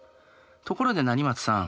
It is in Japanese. ところで成松さん